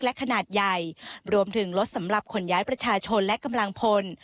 และขนาดใหญ่รวมถึงลดสำหรับขนย้ายประชาชนและกำลังพล